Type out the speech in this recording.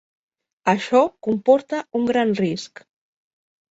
Això comporta un gran risc.